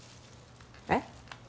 えっ？